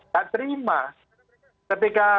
tak terima ketika